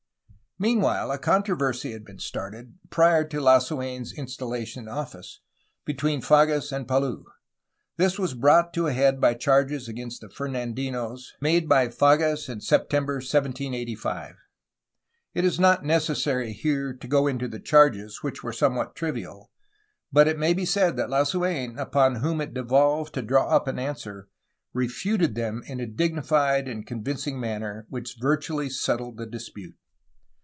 Meanwhile a controversy had been started, prior to Lasu^n's installation in office, between Fages and Palou. This was brought to a head by charges against the Femandi nos made by Fages in September 1785. It is not necessary FERMIN FRANCISCO DE LASUEN 377 here to go into the charges, which were somewhat trivial, but it may be said that Lasuen, upon whom it devolved to draw up the answer, refuted them in a dignified and con vincing manner, which virtually settled the dispute.